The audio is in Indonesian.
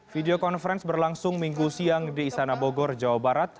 video conference berlangsung minggu siang di istana bogor jawa barat